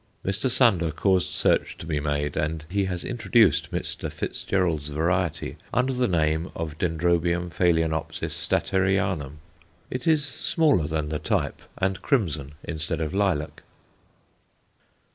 Mr. Sander caused search to be made, and he has introduced Mr. Fitzgerald's variety under the name of D. ph. Statterianum. It is smaller than the type, and crimson instead of lilac.